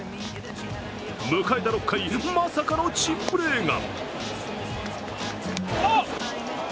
迎えた６回、まさかの珍プレーが。